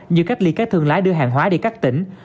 như cách ly các thương lái đưa hàng hóa đi các tỉnh